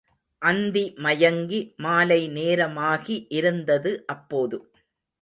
அந்திமயங்கி மாலை நேரமாகி இருந்தது அப்போது.